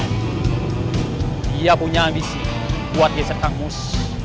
dia punya ambisi buat geser kang mus